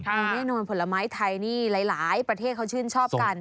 แน่นอนผลไม้ไทยนี่หลายประเทศเขาชื่นชอบกัน